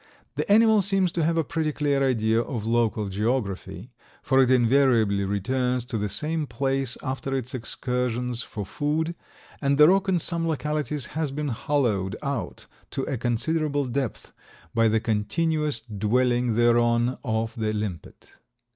The animal seems to have a pretty clear idea of local geography, for it invariably returns to the same place after its excursions for food and the rock in some localities has been hollowed out to a considerable depth by the continuous dwelling thereon of the limpet.